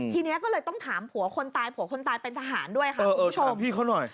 ทีนี้ก็เลยต้องถามผัวคนตายผัวคนตายเป็นทหารด้วยค่ะคุณผู้ชมพี่เขาหน่อย